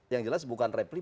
yang jelas bukan repri